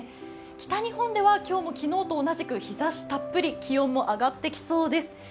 北日本では今日も昨日と同じく日ざしたっぷり気温も上がってきそうです。